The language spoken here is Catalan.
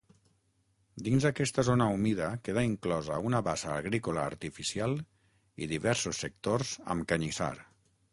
Dins aquesta zona humida queda inclosa una bassa agrícola artificial i diversos sectors amb canyissar.